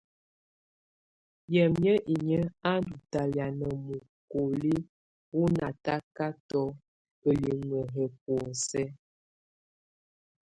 Yamɛ̀á inyǝ́ á ndù talɛ̀á na mukoliǝ wù natakatɔ ǝlimǝ yɛ bɔ̀ósɛ.